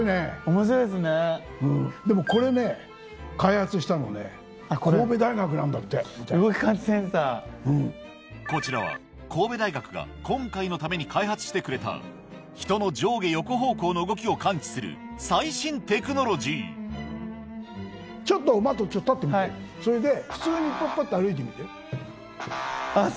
面白いねでもこれね開発したのね神戸大学なんだってこちらは神戸大学が今回のために開発してくれた人の上下横方向の動きを感知する最新テクノロジーちょっとＭａｔｔ立ってみてはいそれで普通にパッパッと歩いてみてあっ